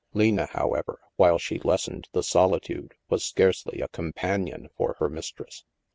Lena, however, while she lessened the solitude, was scarcely a companion for her mistress.